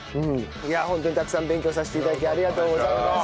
ホントにたくさん勉強させて頂きありがとうございました。